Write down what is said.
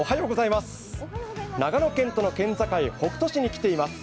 長野県との県境、北杜市に来ています。